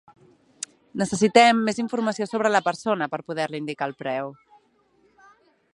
Necessitem més informació sobre la persona, per poder-li indicar el preu.